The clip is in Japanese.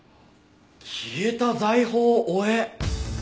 『消えた財宝を追え！』。